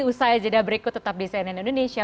usaha ejadah berikut tetap di cnn indonesia